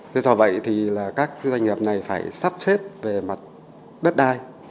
thế do vậy thì là các doanh nghiệp này phải sắp xếp về mặt đất đai